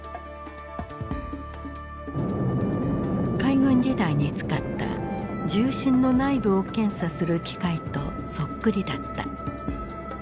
海軍時代に使った銃身の内部を検査する機械とそっくりだった。